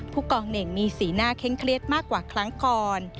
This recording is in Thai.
ผู้กองเหน่งมีสีหน้าเคร่งเครียดมากกว่าครั้งก่อน